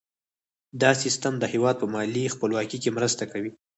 دا سیستم د هیواد په مالي خپلواکۍ کې مرسته کوي.